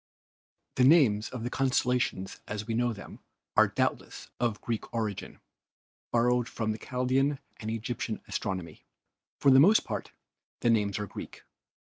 The names of the constellations as we know them are THE CONSTELLATIONS 259 doubtless of Greek origin, borrowed from Chaldean and Egyptian astronomy. For the most part the names are Greek.